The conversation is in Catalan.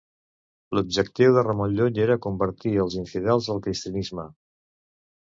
L'objectiu de Ramon Llull era convertir els infidels al cristianisme.